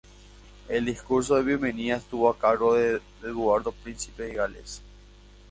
El discurso de bienvenida estuvo a cargo de Eduardo, Príncipe de Gales.